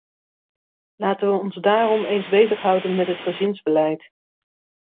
Laten we ons daarom eens bezighouden met het gezinsbeleid.